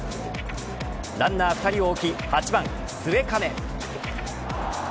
ランナー２人を置き８番、末包。